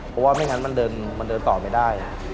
เพราะว่าไม่งั้นมันเดินต่อไม่ได้